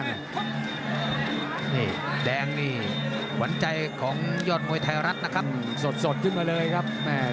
ดแหดแดงนี่หวังใจของยอดมวยไทยรัฐส่นสดขึ้นมาเลยครับ